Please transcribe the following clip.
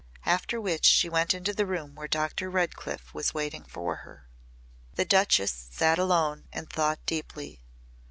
After which she went into the room where Dr. Redcliff was waiting for her. The Duchess sat alone and thought deeply.